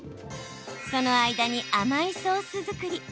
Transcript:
その間に、甘いソース作り。